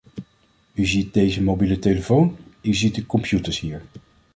U ziet deze mobiele telefoon, u ziet de computers hier.